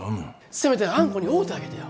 せめてあんこに会うたげてよ。